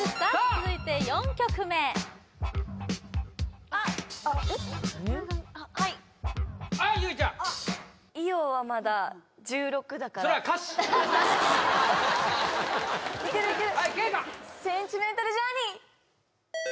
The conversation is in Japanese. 続いて４曲目あっはいはい結実ちゃん・いけるいけるはい圭叶「センチメンタル・ジャーニー」